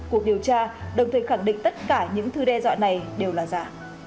cuộc điều tra đồng thời khẳng định tất cả những thư đe dọa này đều là giả